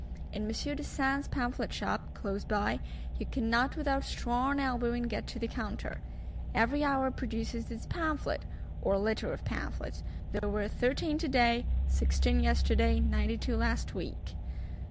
In Monsieur Dessein's Pamphlet shop, close by, you cannot without strong elbowing get to the counter: every hour produces its pamphlet, or litter of pamphlets; "there were thirteen today, sixteen yesterday, nine two last week."